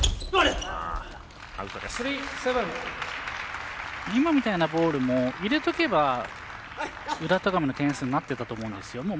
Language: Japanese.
今みたいなボールも入れとけば宇田、戸上の点数になってたと思うんですよ。